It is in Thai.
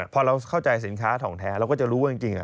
พอเราเข้าใจสินค้าทองแท้เราก็จะรู้ว่าจริง